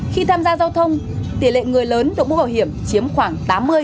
khi tham gia giao thông tỷ lệ người lớn đổ mũ bảo hiểm chiếm khoảng tám mươi tám mươi năm